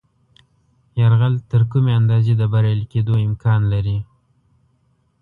یرغل تر کومې اندازې د بریالي کېدلو امکان لري.